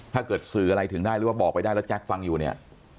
ถ้าเกิดสื่ออะไรถึงได้หรือว่าบอกไปได้แล้วแจ็คฟังอยู่เนี่ย